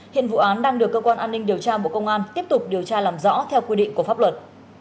hiện vụ án đang được cơ quan an ninh điều tra bộ công an tiếp tục điều tra làm rõ theo quy định của pháp luật